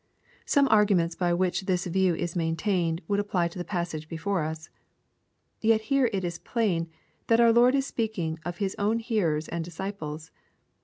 Some arguments by which tliis view is main tained, would apply to the passage before us. Yet here it is plain, that our Lord is speaking of His owa hearers and disciples..